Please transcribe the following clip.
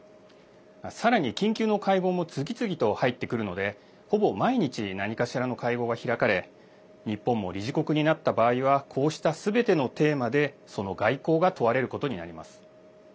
さらに緊急の会合も次々と入ってくるのでほぼ毎日何かしらの会合が開かれ日本も理事国になった場合はこうしたすべてのテーマでその外交が問われることになります。